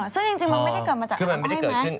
ซึ่งจริงมันไม่เกิดมาจากอาน้ำอ้อยมั้ย